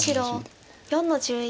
白４の十一取り。